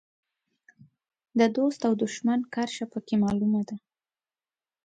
د دوست او دوښمن کرښه په کې معلومه ده.